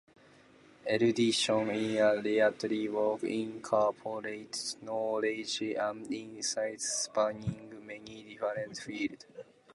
Erudition in a literary work incorporates knowledge and insights spanning many different fields.